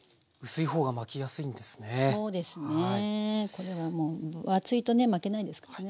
これはもう分厚いとね巻けないですからね。